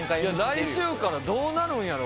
来週からどうなるんやろ？